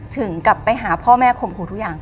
ถึงกลับไปหาพ่อแม่ข่มขู่ทุกอย่าง